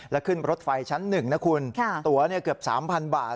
และขึ้นรถไฟชั้นหนึ่งนะคุณตัวเนี่ยเกือบสามพันบาท